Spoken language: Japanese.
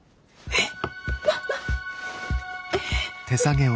えっ。